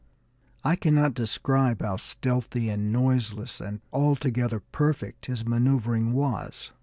I cannot describe how stealthy and noiseless and altogether perfect his maneuvering was.